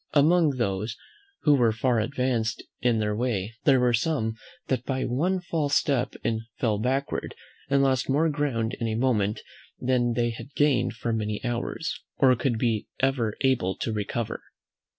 Among those who were far advanced in their way there were some that by one false step fell backward, and lost more ground in a moment, than they had gained for many hours, or could be ever able to recover.